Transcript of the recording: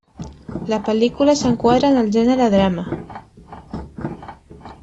La pel·lícula s'enquadra en el gènere drama.